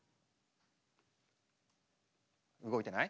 動いてない？